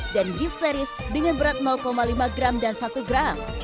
dan gift series dengan berat lima gram dan satu gram